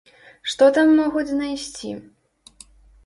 Што там могуць знайсці?